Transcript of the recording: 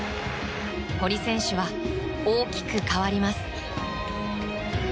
堀選手は大きく変わります。